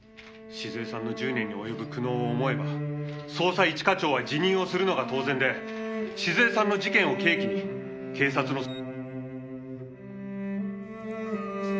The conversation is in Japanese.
「静江さんの１０年に及ぶ苦悩を思えば捜査一課長は辞任をするのが当然で静江さんの事件を契機に警察の」